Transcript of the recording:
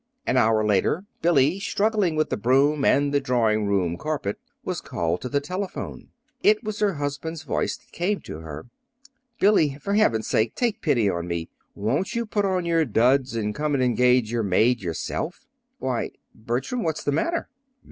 An hour later Billy, struggling with the broom and the drawing room carpet, was called to the telephone. It was her husband's voice that came to her. "Billy, for heaven's sake, take pity on me. Won't you put on your duds and come and engage your maid yourself?" "Why, Bertram, what's the matter?"